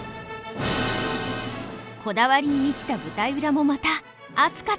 こだわりに満ちた舞台裏もまた熱かった。